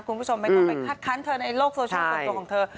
คุณผู้ชมไม่ต้องไปคัดค้านเธอในโลกโซเชียลส่วนตัวของเธอ